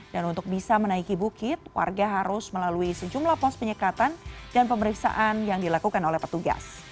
dan untuk bisa menaiki bukit warga harus melalui sejumlah pos penyekatan dan pemeriksaan yang dilakukan oleh petugas